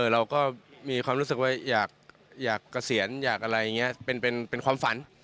เราก็มีความรู้สึกว่าอยากเกษียณอยากอะไรอย่างนี้เป็นความฝัน